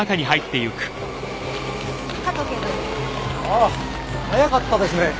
ああ早かったですね。